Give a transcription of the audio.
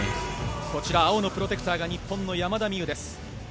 こちら青のプロテクターが日本の山田美諭です。